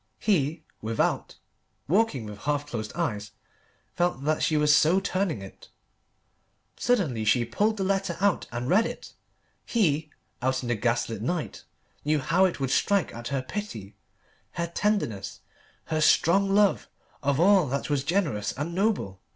He, without, walking with half closed eyes, felt that she was so turning it. Suddenly she pulled the letter out and read it. He, out in the gas lit night, knew how it would strike at her pity, her tenderness, her strong love of all that was generous and noble.